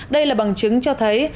đây là bằng chứng cho thấy